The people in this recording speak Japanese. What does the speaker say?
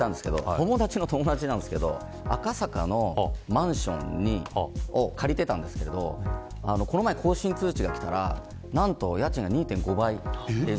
友達の友達なんですけど赤坂のマンションを借りていたんですけどこの前、更新通知がきたら何と、家賃が２．５倍。